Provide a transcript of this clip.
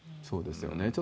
そうですよね。